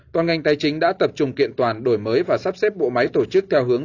toàn ngành tài chính đã tập trung kiện toàn đổi mới và sắp xếp bộ máy tổ chức theo hướng